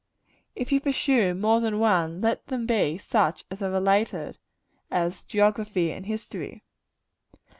If you pursue more than one, let them be such as are related; as geography and history.